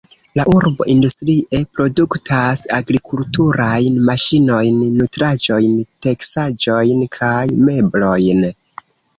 La urbo industrie produktas agrikulturajn maŝinojn, nutraĵojn, teksaĵojn kaj meblojn.